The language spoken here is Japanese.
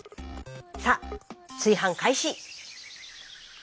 さあ炊飯開始。